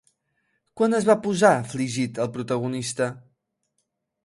Quan es va posar afligit el protagonista?